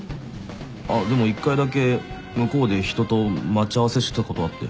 あっでも一回だけ向こうで人と待ち合わせしたことあって。